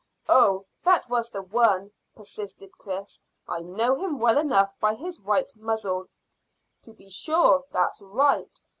"Oh, that was the one," persisted Chris. "I know him well enough by his white muzzle." "To be sure. That's right.